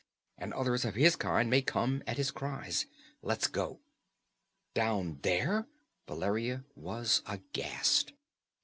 And others of his kind may come at his cries. Let's go!" "Down there?" Valeria was aghast.